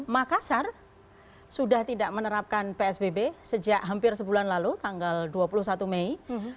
makassar sudah tidak menerapkan psbb sejak hampir sebulan lalu tanggal dua puluh satu mei